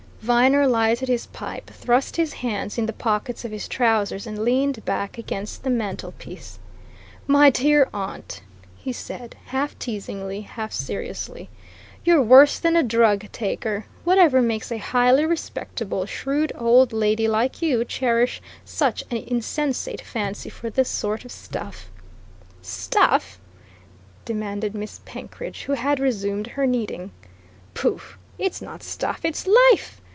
Viner lighted his pipe, thrust his hands in the pockets of his trousers and leaned back against the mantelpiece. "My dear aunt!" he said half teasingly, half seriously. "You're worse than a drug taker. Whatever makes a highly respectable, shrewd old lady like you cherish such an insensate fancy for this sort of stuff?" "Stuff?" demanded Miss Penkridge, who had resumed her knitting. "Pooh! It's not stuff it's life!